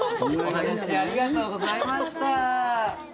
ありがとうございます。